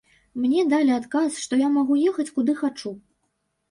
Мне далі адказ, што я магу ехаць куды хачу.